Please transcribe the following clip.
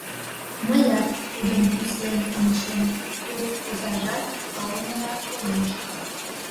Мыят тудым тӱслен ончем, пӧрт озажат палымыла коеш.